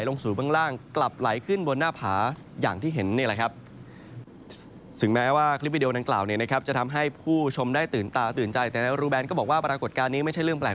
ลูกคุณผู้ชมจะตื่นตาแต่รูแบล็นซ์ก็บอกว่าประกวดการไม่ใช่เรื่องแปลก